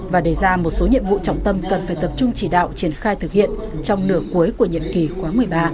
và đề ra một số nhiệm vụ trọng tâm cần phải tập trung chỉ đạo triển khai thực hiện trong nửa cuối của nhiệm kỳ khóa một mươi ba